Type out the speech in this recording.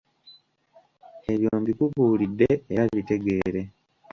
Ebyo mbikubuulidde era bitegeere.